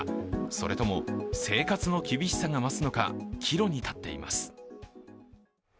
それとも生活の厳しさが増すのか岐路に立っています。